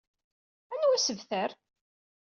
Anwa asebter?